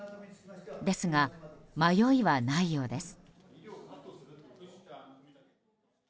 ですが、迷いはないようです。